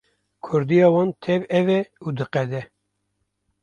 Kurdiya wan tev ew e û diqede.